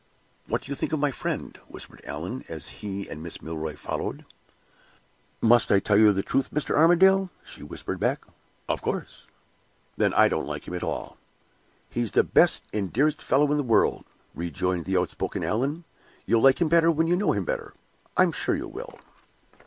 "What do you think of my friend?" whispered Allan, as he and Miss Milroy followed. "Must I tell you the truth, Mr. Armadale?" she whispered back. "Of course!" "Then I don't like him at all!" "He's the best and dearest fellow in the world," rejoined the outspoken Allan. "You'll like him better when you know him better I'm sure you will!"